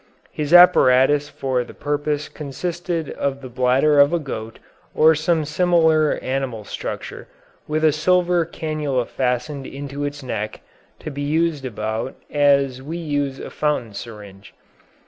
His apparatus for the purpose consisted of the bladder of a goat or some similar animal structure, with a silver canula fastened into its neck, to be used about as we use a fountain syringe.